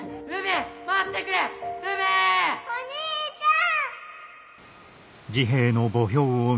お兄ちゃん！